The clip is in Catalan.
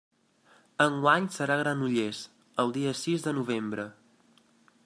Enguany serà a Granollers, el dia sis de novembre.